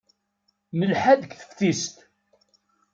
Nelḥa deg teftist.